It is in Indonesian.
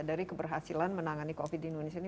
dari keberhasilan menangani covid di indonesia ini